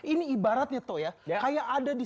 ini ibaratnya tuh ya kayak ada di